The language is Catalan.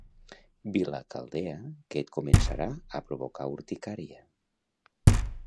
Vila caldea que et començarà a provocar urticària.